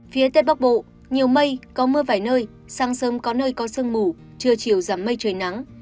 phía tây bắc bộ nhiều mây có mưa vài nơi sáng sớm có nơi có sương mù trưa chiều giảm mây trời nắng